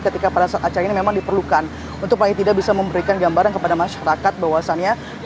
ketika pada saat acara ini memang diperlukan untuk paling tidak bisa memberikan gambaran kepada masyarakat bahwasannya